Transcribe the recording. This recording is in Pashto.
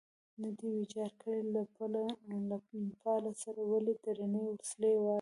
نه دی ویجاړ کړی، له پله سره ولې درنې وسلې والا.